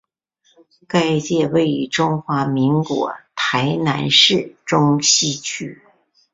该庙位于中华民国台南市中西区。